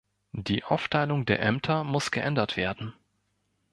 Die Aufteilung der Ämter muss geändert werden.